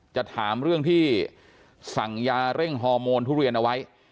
จะถามเรื่องที่สั่งยาเร่งฮอร์โมนทุเรียนเอาไว้